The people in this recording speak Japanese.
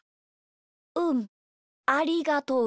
うんありがとう。